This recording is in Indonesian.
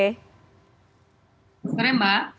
selamat sore mbak